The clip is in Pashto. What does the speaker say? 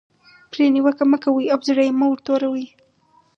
پرې نیوکه مه کوئ او زړه یې مه ور توروئ.